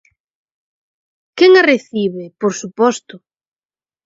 ¿Quen a recibe?; por suposto.